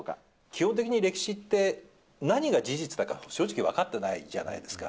基本的に歴史って、何が事実だか、正直分かってないじゃないですか。